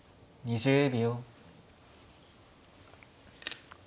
２０秒。